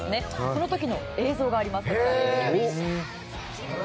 その時の映像があります。